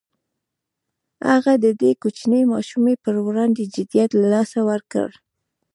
هغه د دې کوچنۍ ماشومې پر وړاندې جديت له لاسه ورکړ.